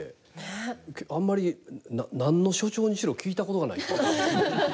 あんまり何の所長にしろ聞いたことがないっていう感じですね。